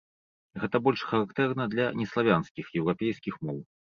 Гэта больш характэрна для неславянскіх еўрапейскіх моў.